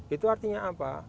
itu artinya apa